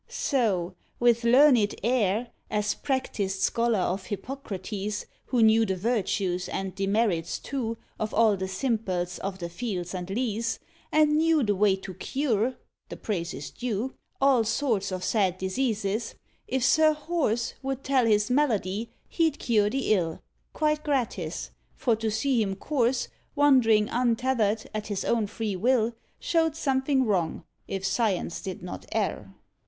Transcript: So with learned air, As practised scholar of Hippocrates, Who knew the virtues and demerits, too, Of all the simples of the fields and leas, And knew the way to cure (the praise is due) All sorts of sad diseases if Sir Horse Would tell his malady, he'd cure the ill, Quite gratis; for to see him course, Wandering untethered, at his own free will, Showed something wrong, if science did not err.